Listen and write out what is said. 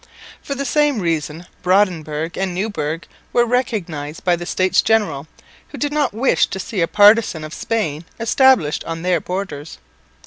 For the same reason Brandenburg and Neuburg were recognised by the States General, who did not wish to see a partisan of Spain established on their borders.